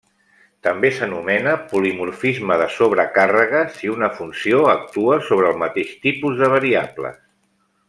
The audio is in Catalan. També s'anomena polimorfisme de sobrecàrrega si una funció actua sobre el mateix tipus de variables.